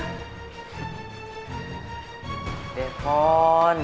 kok bisa sih ada video ini ah